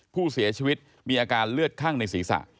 ผู้เสียชีวิตมีอาการเลือดข้างในศีรษะ